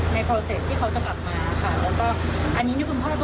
ไม่คิดว่าจะเลื่อนนะคะ